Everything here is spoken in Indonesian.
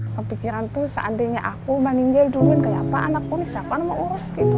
pemikiran tuh seandainya aku meninggal duluan kayak apaan aku ini siapaan mau urus gitu